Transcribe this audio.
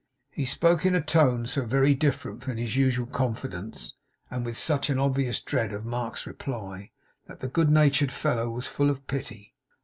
He spoke in a tone so very different from his usual confidence, and with such an obvious dread of Mark's reply, that the good natured fellow was full of pity.